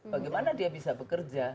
bagaimana dia bisa bekerja